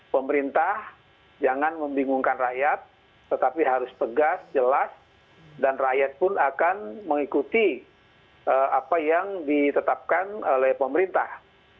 pemerintah jangan membingungkan rakyat tetapi harus tegas jelas dan rakyat pun akan mengikuti apa yang ditetapkan oleh pemerintah